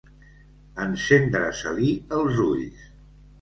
Encendre-se-li els ulls.